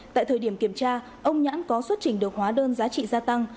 tại thời điểm kiểm tra ông nhãn có xuất trình được hóa đơn giá trị gia tăng